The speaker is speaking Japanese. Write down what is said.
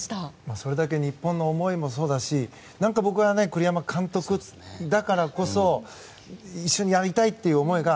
それだけ日本の思いもそうだし僕は、栗山監督だからこそ一緒にやりたいという思いが。